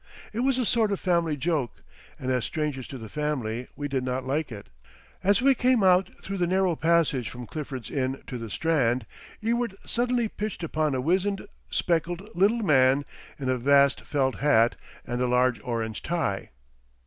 It was a sort of family joke, and as strangers to the family we did not like it.... As we came out through the narrow passage from Clifford's Inn to the Strand, Ewart suddenly pitched upon a wizened, spectacled little man in a vast felt hat and a large orange tie.